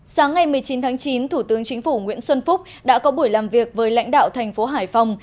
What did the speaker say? sáng ngày một mươi chín tháng chín thủ tướng chính phủ nguyễn xuân phúc đã có buổi làm việc với lãnh đạo thành phố hải phòng